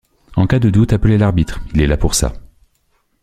En cas de doute, appelez l'arbitre, il est là pour ça.